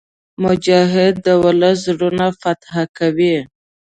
مجاهد د ولس زړونه فتح کوي.